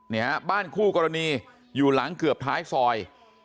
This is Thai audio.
เนี่ยฮะบ้านคู่กรณีอยู่หลังเกือบท้ายซอย